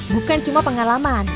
bukan cuma pengalaman